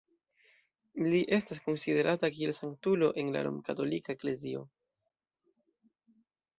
Li estas konsiderata kiel sanktulo en la Rom-katolika eklezio.